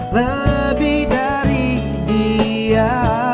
lebih dari dia